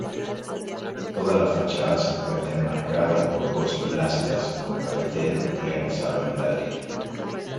Toda la fachada se encuentra enmarcada por dos pilastras con capitel realizado en ladrillo.